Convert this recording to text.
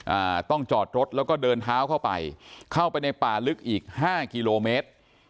อ่าต้องจอดรถแล้วก็เดินเท้าเข้าไปเข้าไปในป่าลึกอีกห้ากิโลเมตร